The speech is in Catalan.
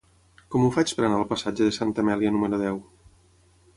Com ho faig per anar al passatge de Santa Amèlia número deu?